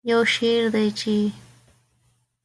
یو شعر دی چې